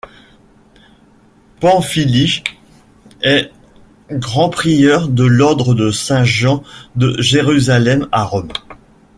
Pamphilj est grand prieur de l'ordre de Saint-Jean de Jérusalem à Rome.